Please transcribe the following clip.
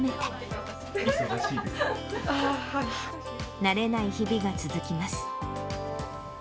慣れない日々が続きます。